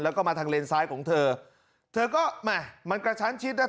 แล้วก็มาทางเลนซ้ายของเธอเธอก็แหม่มันกระชั้นชิดนะ